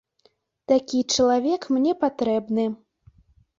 Такі чалавек мне патрэбны.